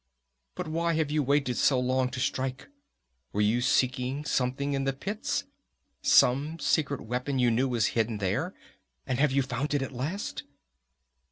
But why have you waited so long to strike? Were you seeking something, in the pits? Some secret weapon you knew was hidden there? And have you found it at last?"